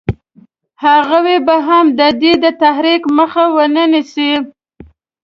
هغوی به هم د ده د تحریک مخه ونه نیسي.